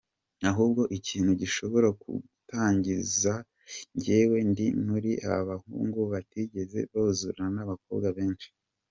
Ahubwo ikintu gishobora kugutangaza njyewe ndi muri ba bahungu batigeze buzura n’abakobwa benshi.